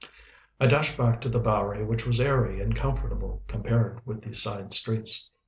I dashed back to the Bowery which was airy and comfortable compared with these side streets.